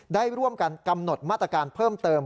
ได้ร่วมกันกำหนดมาตรการเพิ่มเติม